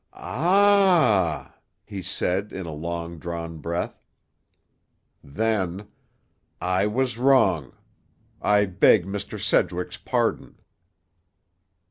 "Ah h h!" he said in a long drawn breath. Then: "I was wrong. I beg Mr. Sedgwick's pardon."